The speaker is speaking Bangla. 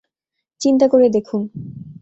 চিন্তা করে দেখুন।